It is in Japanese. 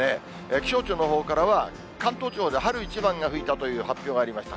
気象庁のほうからは、関東地方で春一番が吹いたという発表がありました。